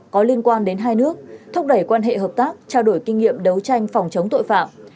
có liên quan đến hai nước thúc đẩy quan hệ hợp tác trao đổi kinh nghiệm đấu tranh phòng chống tội phạm